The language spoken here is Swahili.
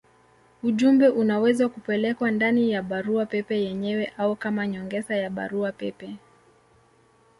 Ujumbe unaweza kupelekwa ndani ya barua pepe yenyewe au kama nyongeza ya barua pepe.